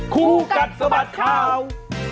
คู่กัดสะบัดข่าว